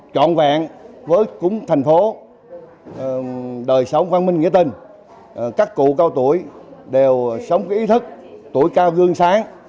trọn vẹn với thành phố đời sống văn minh nghĩa tình các cụ cao tuổi đều sống ý thức tuổi cao gương sáng